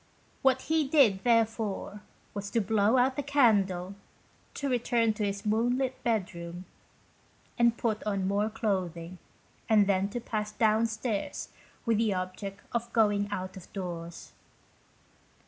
What he did, therefore, was to blow out the candle, to return to his moonlit bedroom, and put on more clothing, and then to pass downstairs with the object of going out of doors.